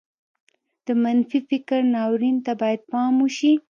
د منفي فکر ناورين ته بايد پام وشي.